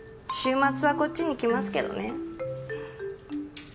週末はこっちに来ますけどね。